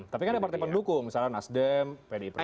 tapi kan ada partai pendukung misalnya nasdem pdi perjuangan